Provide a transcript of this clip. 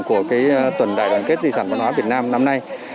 của tuần đại đoàn kết di sản văn hóa việt nam năm nay